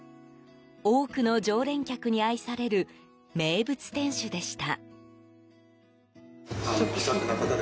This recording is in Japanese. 多くの常連客に愛される名物店主でした。